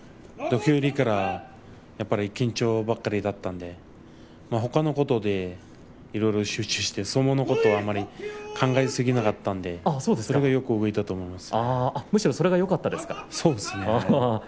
土俵入りからやっぱり緊張ばっかりだったのでほかのことでいろいろ集中して相撲のことが考えすぎなかったのでそれがよく動いたと思います。